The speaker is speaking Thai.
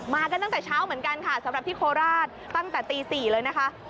กันตั้งแต่เช้าเหมือนกันค่ะสำหรับที่โคราชตั้งแต่ตี๔เลยนะคะ